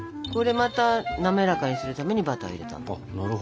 これまた滑らかにするためにバターを入れたの。